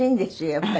やっぱり。